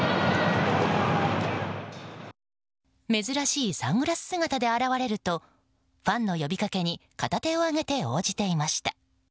珍しいサングラス姿で現れるとファンの呼びかけに片手を上げて応じていました。